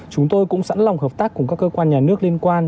chúng tôi cũng sẵn lòng hợp tác cùng các cơ quan nhà nước liên quan